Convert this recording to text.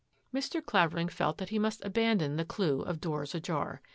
'* Mr. Clavering felt that he must aband clue of doors ajar.